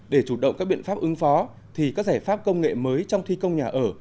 để chủ động các biện pháp ứng phó thì các giải pháp công nghệ mới trong thi công nhà ở